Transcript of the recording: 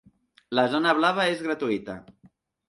La zona blava és gratuïta.